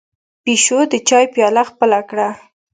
پيشو د چای پياله خپله کړه.